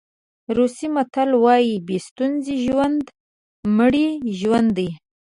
روسي متل وایي بې ستونزې ژوند مړی ژوند دی.